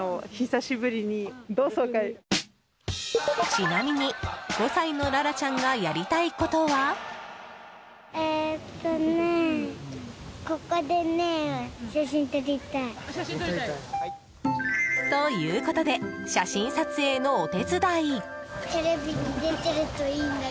ちなみに５歳のララちゃんがやりたいことは？ということで写真撮影のお手伝い。